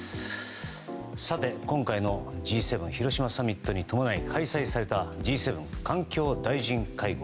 さて、今回のＧ７広島サミットに伴い開催されたＧ７環境大臣会合。